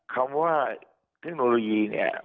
คำว่าเทคโนโลยีเนี่ย